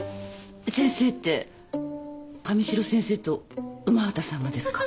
先生って神代先生と午端さんがですか？